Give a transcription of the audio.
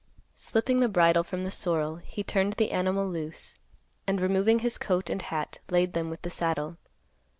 Slipping the bridle from the sorrel, he turned the animal loose, and, removing his coat and hat, laid them with the saddle.